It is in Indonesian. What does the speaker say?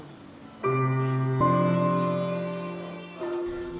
saya ke kerawang